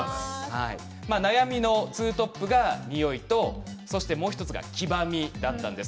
悩みのツートップがニオイとそして、もう１つが黄ばみだったんです。